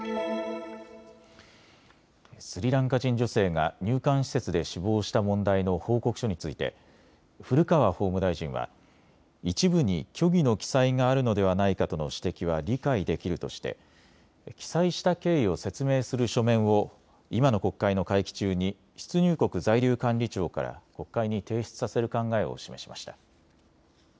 スリランカ人女性が入管施設で死亡した問題の報告書について古川法務大臣は一部に虚偽の記載があるのではないかとの指摘は理解できるとして記載した経緯を説明する書面を今の国会の会期中に出入国在留管理庁から国会に提出させる考えを示しました。